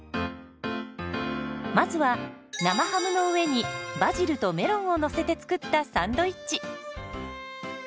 まずは生ハムの上にバジルとメロンをのせて作ったサンドイッチ。